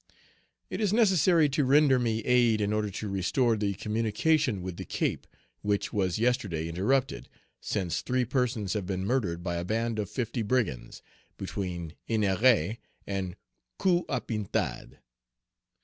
It is necessary to render me aid in order to restore the communication with the Cape, which was yesterday interrupted, since three persons have been murdered by a band of fifty brigands, between Ennery and Coupe à Pintade.